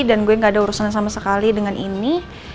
dan gue gak ada urusan sama sekali dengan ini